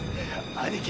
兄貴